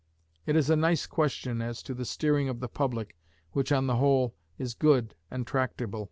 It is a nice question as to the steering of the public, which, on the whole, is good and tractable.